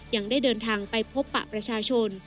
ยังได้เดินทางไปพบปะประชาชน